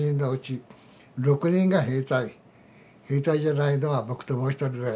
兵隊じゃないのは僕ともう１人ぐらい。